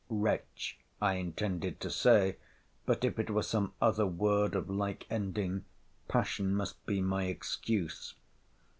Wretch! I intended to say; but if it were some other word of like ending, passion must be my excuse.